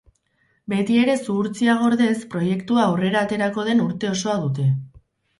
Betiere zuhurtzia gordez, proiektua aurrera aterako den uste osoa dute.